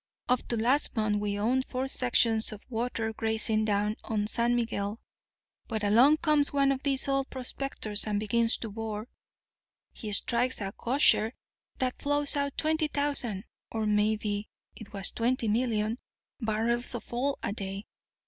Up to last month we owned four sections of watered grazing down on the San Miguel. But along comes one of these oil prospectors and begins to bore. He strikes a gusher that flows out twenty thousand —or maybe it was twenty million—barrels of oil a day.